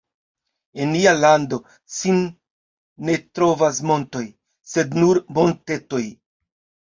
En nia lando sin ne trovas montoj, sed nur montetoj.